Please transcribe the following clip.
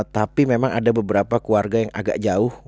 tapi memang ada beberapa keluarga yang agak jauh